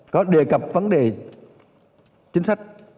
có đề cập vấn đề chính sách